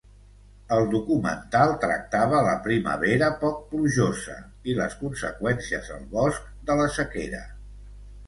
El documental tractava la primavera poc plujosa i les conseqüències al bosc de la sequera.